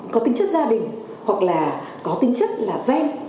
có tính chất gia đình hoặc là có tính chất là ghen